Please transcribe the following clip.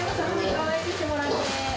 かわいくしてもらって。